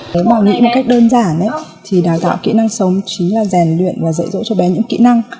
với bà nghĩ một cách đơn giản thì đào tạo kỹ năng sống chính là rèn luyện và dạy dỗ cho bé những kỹ năng